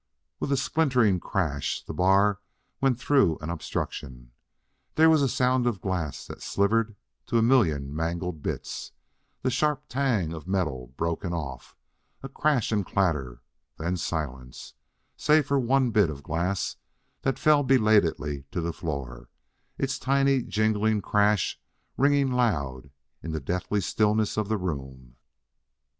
With a splintering crash, the bar went through an obstruction. There was sound of glass that slivered to a million mangled bits the sharp tang of metal broken off a crash and clatter then silence, save for one bit of glass that fell belatedly to the floor, its tiny jingling crash ringing loud in the deathly stillness of the room....